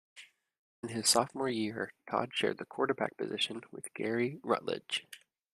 In his sophomore year, Todd shared the quarterback position with Gary Rutledge.